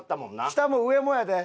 下も上もやで。